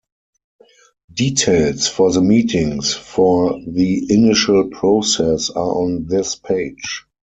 Details for the meetings for the initial process are on this page.